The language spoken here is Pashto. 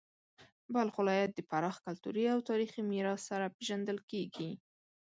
بلخ ولایت د پراخ کلتوري او تاریخي میراث سره پیژندل کیږي.